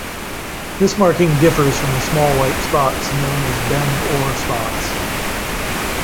This marking differs from the small white spots known as Bend-Or spots.